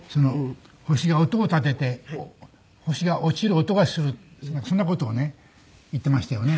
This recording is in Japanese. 星が音を立てて星が落ちる音がするそんな事をね言ってましたよね。